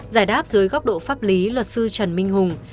giải đáp dưới góc độ pháp lý luật sư trần minh hùng